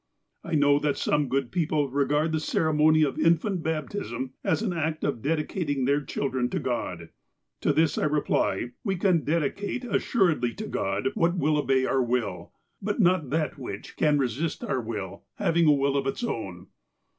"I know that some good people regard the ceremony of in fant baptism as an act of dedicating their children to God. To this I reply, we can dedicate assuredly to God what will obey 366 THE APOSTLE OF ALASKA our will, but not that which can resist our will, having a will of its own.